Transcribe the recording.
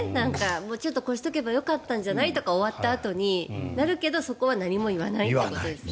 もうちょっとこうしておけばよかったんじゃない？とか終わったあとに、なるけどそこは何も言わないということですね。